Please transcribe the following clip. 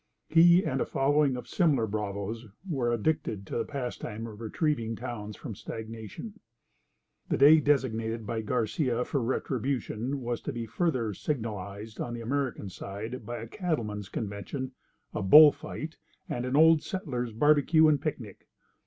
He and a following of similar bravoes were addicted to the pastime of retrieving towns from stagnation. The day designated by Garcia for retribution was to be further signalised on the American side by a cattlemen's convention, a bull fight, and an old settlers' barbecue and picnic.